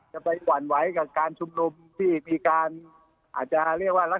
จะไปหวั่นไหวกับการชุมนุมที่อาจจะคุมหมู่